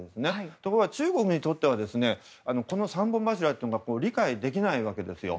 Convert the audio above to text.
ところが、中国にとってはこの三本柱というのが理解できないわけですよ。